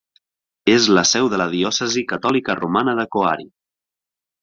És la seu de la diòcesi catòlica romana de Coari.